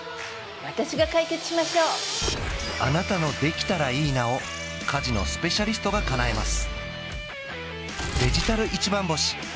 私が解決しましょうあなたの「できたらいいな」を家事のスペシャリストがかなえます